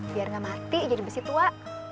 biar gak mati jadi besi tua